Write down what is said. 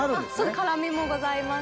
辛みもございます。